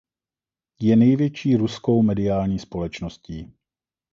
Je největší ruskou mediální společností.